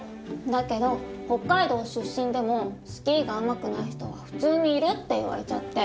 だけど北海道出身でもスキーがうまくない人は普通にいるって言われちゃって。